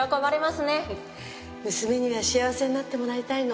娘には幸せになってもらいたいの。